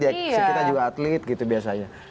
kita juga atlet gitu biasanya